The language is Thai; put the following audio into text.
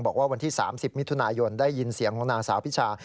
วันที่๓๐มิถุนายนได้ยินเสียงของนางสาวพิชา